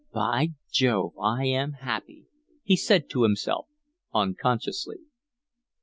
"By Jove, I am happy," he said to himself unconsciously.